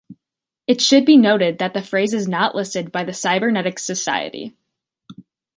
It should be noted that the phrase is not listed by the Cybernetics Society.